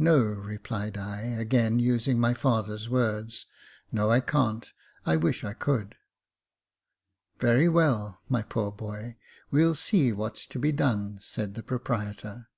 No," replied I, again using my father's words :" No, I can't ; I wish I could." " Very well, my poor boy, we'll see what's to be done," said the proprietor.